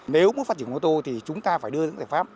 nếu muốn phát triển ô tô thì chúng ta phải đưa những giải pháp